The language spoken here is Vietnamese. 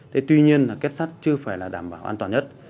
thế tuy nhiên là kết sắt chưa phải là đảm bảo an toàn nhất